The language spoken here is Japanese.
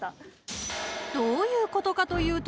［どういうことかというと］